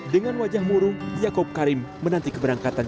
dengan wajah murung yaakob karim menanti keberangkatan